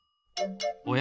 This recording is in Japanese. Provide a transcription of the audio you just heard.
おや？